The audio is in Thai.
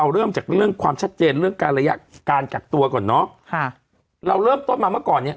เรื่องการระยะการกักตัวก่อนเนอะค่ะเราเริ่มต้นมาเมื่อก่อนเนี่ย